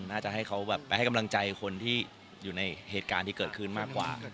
น่าจะให้เขาแบบไปให้กำลังใจคนที่อยู่ในเหตุการณ์ที่เกิดขึ้นมากกว่า